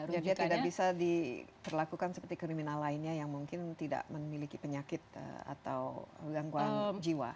jadi dia tidak bisa diperlakukan seperti kriminal lainnya yang mungkin tidak memiliki penyakit atau gangguan jiwa